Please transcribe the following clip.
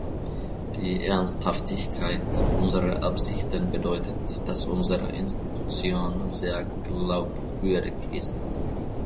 Die Ernsthaftigkeit unserer Absichten bedeutet, dass unsere Institution sehr glaubwürdig ist.